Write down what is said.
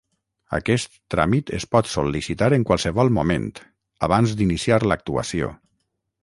Aquest tràmit es pot sol·licitar en qualsevol moment, abans d'iniciar l'actuació.